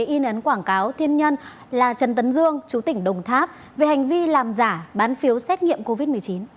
in ấn quảng cáo thiên nhân là trần tấn dương chú tỉnh đồng tháp về hành vi làm giả bán phiếu xét nghiệm covid một mươi chín